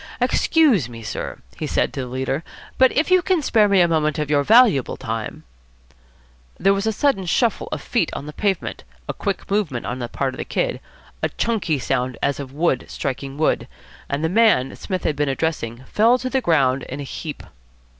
"Excuse me, sir," he said to the leader, "but if you can spare me a moment of your valuable time " There was a sudden shuffle of feet on the pavement, a quick movement on the part of the Kid, a chunky sound as of wood striking wood, and the man Psmith had been addressing fell to the ground in a heap.